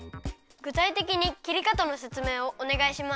ぐたいてきにきりかたのせつめいをおねがいします。